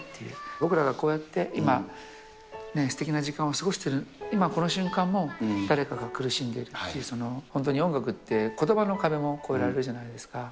僕らがこうやって今、すてきな時間を過ごしている今この瞬間も、誰かが苦しんでるという、本当に音楽って、ことばの壁も超えられるじゃないですか。